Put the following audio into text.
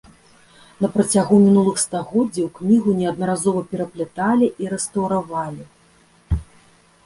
На працягу мінулых стагоддзяў кнігу неаднаразова перапляталі і рэстаўравалі.